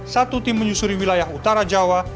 satu tim menyusuri wilayah utara jawa